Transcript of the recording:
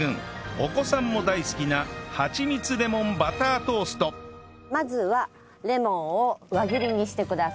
お子さんも大好きなまずはレモンを輪切りにしてください。